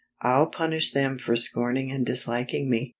I'll punish them for scorning and disliking me.